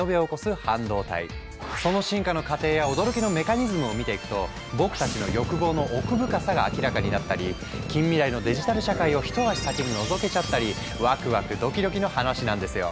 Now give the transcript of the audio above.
その進化の過程や驚きのメカニズムを見ていくと僕たちの欲望の奥深さが明らかになったり近未来のデジタル社会を一足先にのぞけちゃったりワクワクドキドキの話なんですよ。